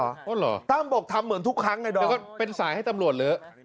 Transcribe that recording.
อ๋อเหรอตั้มบอกทำเหมือนทุกครั้งไอดอมแล้วก็เป็นสายให้ตำรวจเลอะ